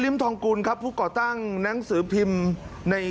โหวตวันที่๒๒